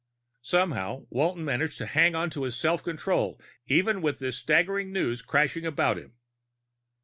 Somehow Walton managed to hang onto his self control, even with this staggering news crashing about him.